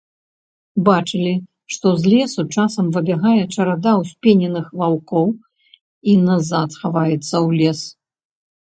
Бачылі, што з лесу часам выбягае чарада ўспененых ваўкоў і назад хаваецца ў лес.